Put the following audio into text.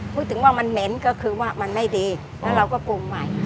พูดถึงว่ามันเหม็นก็คือว่ามันไม่ดีแล้วเราก็ปรุงใหม่